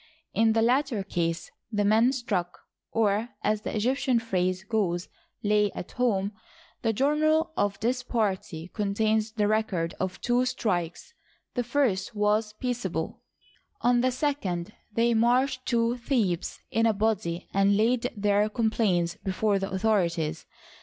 In the latter case, the men struck, or, as the Egyptian phrase goes, "lay at home." The journal of this party contains the record of two strikes. The first was peaceable; on the second,, thejr marched to Thebes in a body and laid their com plaints before the authorities.